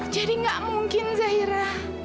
jadi nggak mungkin zaira